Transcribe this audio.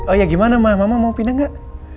oh iya gimana ma mama mau pindah gak